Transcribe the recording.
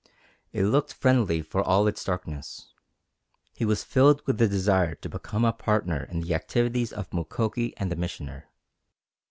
It looked friendly for all its darkness. He was filled with the desire to become a partner in the activities of Mukoki and the Missioner.